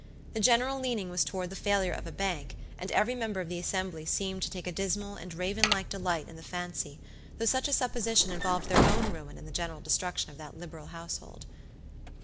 The general leaning was toward the failure of a bank, and every member of the assembly seemed to take a dismal and raven like delight in the fancy, though such a supposition involved their own ruin in the general destruction of that liberal household.